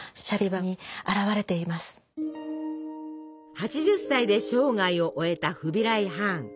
８０歳で生涯を終えたフビライ・ハーン。